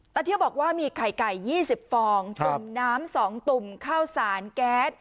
เที่ยวบอกว่ามีไข่ไก่๒๐ฟองตุ่มน้ำ๒ตุ่มข้าวสารแก๊ส